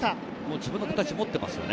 自分の形を持ってますよね。